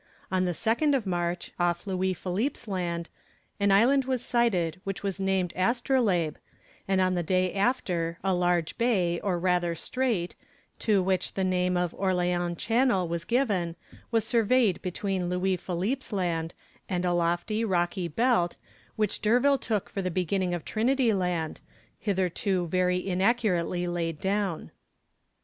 On the 2nd of March, off Louis Philippe's Land, an island was sighted which was named Astrolabe, and the day after a large bay, or rather strait, to which the name of Orleans Channel was given was surveyed between Louis Philippe's Land, and a lofty, rocky belt, which D'Urville took for the beginning of Trinity Land, hitherto very inaccurately laid down.